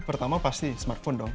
pertama pasti smartphone dong